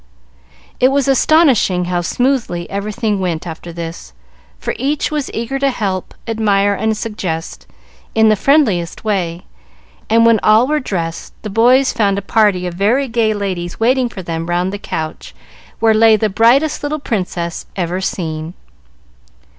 It was astonishing how smoothly everything went after this, for each was eager to help, admire, and suggest, in the friendliest way; and when all were dressed, the boys found a party of very gay ladies waiting for them round the couch, where lay the brightest little Princess ever seen.